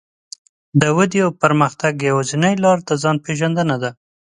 د ودې او پرمختګ يوازينۍ لار د ځان پېژندنه ده.